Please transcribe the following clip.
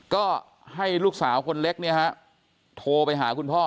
ก็ให้ลูกสาวคนเล็กเนี่ยฮะโทรไปหาคุณพ่อ